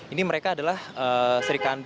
ini mereka adalah serikandi barong